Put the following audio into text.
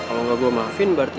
kalo gak gue maafin berarti